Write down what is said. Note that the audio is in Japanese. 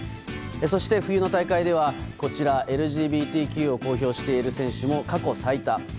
そして冬の大会では、こちら、ＬＧＢＴＱを公表している選手も過去最多。